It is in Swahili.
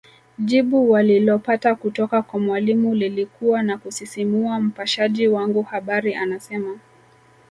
Jibu walilopata kutoka kwa Mwalimu lilikuwa la kusisimua Mpashaji wangu habari anasema